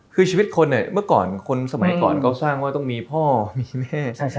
คือชีวิตคนเนี่ยเมื่อก่อนคนสมัยก่อนเขาสร้างว่าต้องมีพ่อมีแม่